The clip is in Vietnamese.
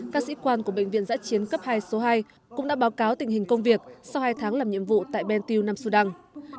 các sĩ quan của bệnh viện giã chiến cấp hai số hai cũng đã báo cáo tình hình công việc sau hai tháng làm nhiệm vụ tại ben tiêu nam sudan